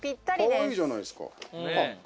かわいいじゃないすか。